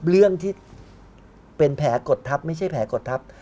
เรื่องที่เป็นแผลกดทัพไม่ใช่แผลกดทัพ